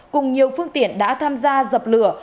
cùng nhiều phương tiện đã tham gia dập lửa